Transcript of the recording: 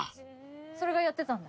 それがやってたんだ。